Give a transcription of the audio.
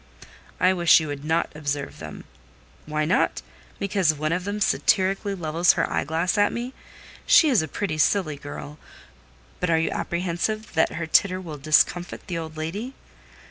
"I wish you would not observe them." "Why not? Because one of them satirically levels her eyeglass at me? She is a pretty, silly girl: but are you apprehensive that her titter will discomfit the old lady?"